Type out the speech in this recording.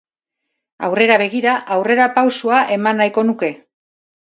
Aurrera begira, aurrerapausoa eman nahiko nuke.